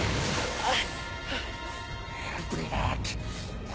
あっ！